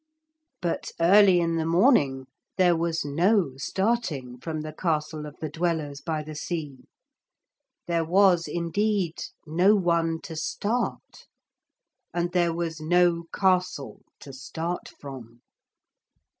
But early in the morning there was no starting from the castle of the Dwellers by the Sea. There was indeed no one to start, and there was no castle to start from.